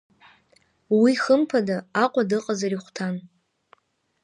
Уи, хымԥада, Аҟәа дыҟазар ихәҭан.